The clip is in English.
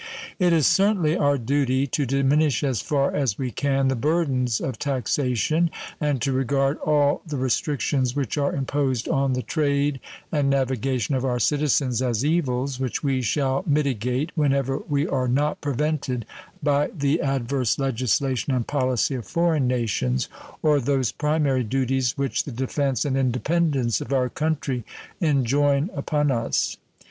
It is certainly our duty to diminish as far as we can the burdens of taxation and to regard all the restrictions which are imposed on the trade and navigation of our citizens as evils which we shall mitigate when ever we are not prevented by the adverse legislation and policy of foreign nations or those primary duties which the defense and independence of our country enjoin upon us.